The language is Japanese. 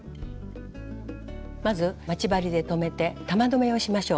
まず待ち針で留めて玉留めをしましょう。